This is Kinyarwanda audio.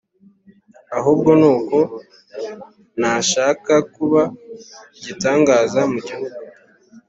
ahubwo nuko ntashaka kuba igitangaza mugihugu"